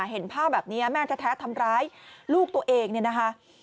เห็นภาพแบบนี้แม่แท้ทำร้ายลูกตัวเองเนี่ยนะคะ